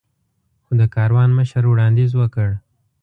خو د کاروان مشر وړاندیز وکړ.